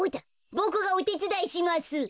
ボクがおてつだいします。